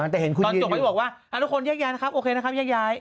ทุกคนแยกย้ายนะครับโอเคนะครับ